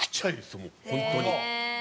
もう、本当に。